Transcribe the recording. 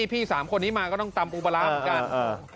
พี่๓คนนี้มาก็ต้องตำปูปลาร้าเหมือนกัน